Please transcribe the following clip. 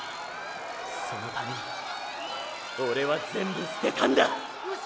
そのためにオレは全部捨てたんだ！